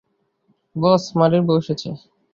বস, মারির বউ এসেছে।